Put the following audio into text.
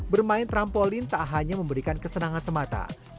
bermain trampolin tak hanya memberikan kesenangan semata